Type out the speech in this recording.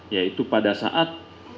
yaitu pada saat